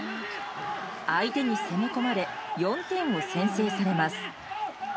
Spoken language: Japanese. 相手に攻め込まれ４点を先制されます。